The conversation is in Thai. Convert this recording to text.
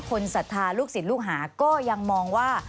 ศรัทธาลูกศิษย์ลูกหาก็ยังมองว่า